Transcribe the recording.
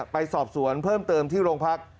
ไปสอบสวนเพิ่มเติมที่โรงพัก